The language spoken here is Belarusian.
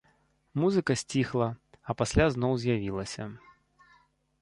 Музыка сціхла, а пасля зноў з'явілася.